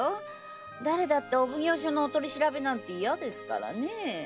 誰だってお奉行所のお取り調べなんて嫌ですからね。